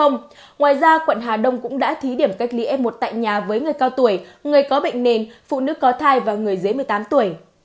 ngoài ra quận hà đông cũng đã thí điểm cách ly f một tại nhà với người cao tuổi người có bệnh nền phụ nữ có thai và người dưới một mươi tám tuổi